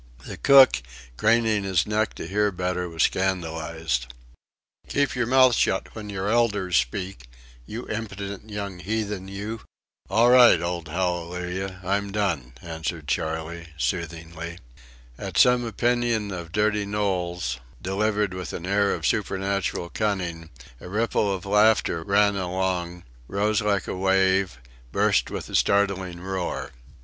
The cook, craning his neck to hear better, was scandalised. "Keep your mouth shut when your elders speak, you impudent young heathen you." "All right, old Hallelujah, I'm done," answered Charley, soothingly. At some opinion of dirty Knowles, delivered with an air of supernatural cunning, a ripple of laughter ran along, rose like a wave, burst with a startling roar.